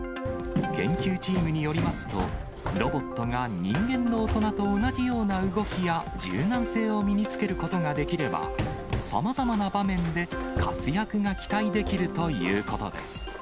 研究チームによりますと、ロボットが人間の大人と同じような動きや、柔軟性を身につけることができれば、さまざまな場面で活躍が期待できるということです。